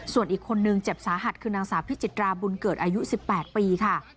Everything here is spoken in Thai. ส่วนอีกคนนึงเจ็บสาหัสคือนางสาวพิจิตราบุญเกิดอายุ๑๘ปีค่ะ